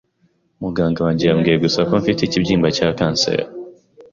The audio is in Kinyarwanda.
Muganga wanjye yambwiye gusa ko mfite ikibyimba cya kanseri.